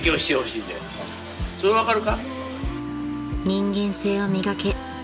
［人間性を磨け］